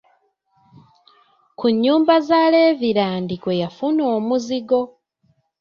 Ku nnyumba za levirand kwe yafuna omuzigo.